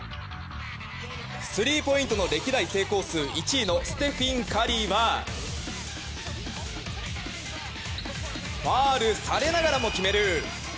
スリーポイントの歴代成功数１位のステフィン・カリーはファウルされながらも決める！